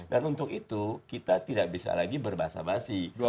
dan untuk itu kita tidak bisa lagi berbahasa basi